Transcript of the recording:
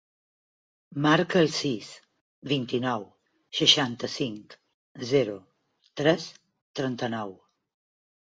Marca el sis, vint-i-nou, seixanta-cinc, zero, tres, trenta-nou.